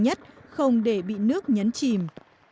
đây là vùng thường xây dựng các loại lũ lụt